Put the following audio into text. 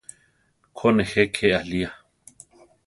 Ko, nejé ké aria!